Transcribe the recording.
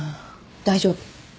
大丈夫。